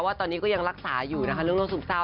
แต่ว่าตอนนี้ก็ยังรักษาอยู่นะคะเรื่องร่วงสุขเจ้า